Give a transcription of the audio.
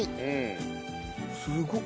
すごっ！